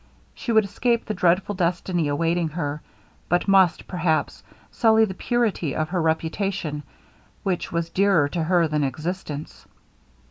She would escape the dreadful destiny awaiting her, but must, perhaps, sully the purity of that reputation, which was dearer to her than existence.